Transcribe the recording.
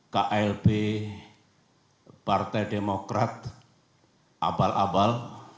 klb partai demokrat abal abal